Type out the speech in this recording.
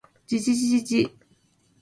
じじじじじ